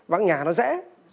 vãng nhà nó sẽ